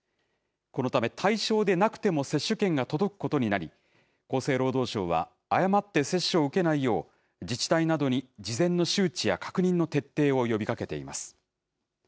このため、対象でなくても接種券が届くことになり、厚生労働省は、誤って接種を受けないよう、自治体などに事前の周知や確認の徹底を呼びかけています。